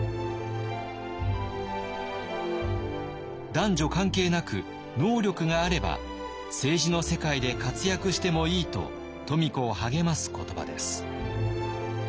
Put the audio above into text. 男女関係なく能力があれば政治の世界で活躍してもいいと富子を励ます言葉です。